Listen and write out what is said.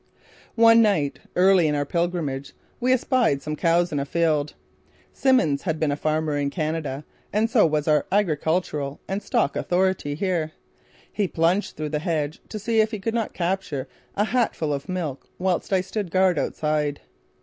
One night early in our pilgrimage, we espied some cows in a field. Simmons had been a farmer in Canada and so was our agricultural and stock authority here. He plunged through the hedge to see if he could not capture a hat full of milk whilst I stood guard outside.